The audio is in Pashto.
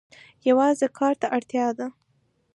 یوازې کار ته اړتیا ده.